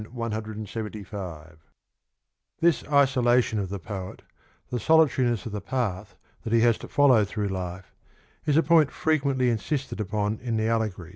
175) This isolation of the poet, the solitariness of the path that he has to follow through life, is a point frequently insisted upon in the allegory.